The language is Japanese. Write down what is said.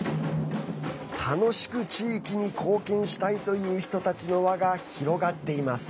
楽しく地域に貢献したいという人たちの輪が広がっています。